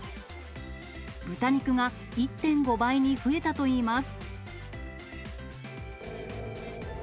豚肉が１．５倍に増えたといいます。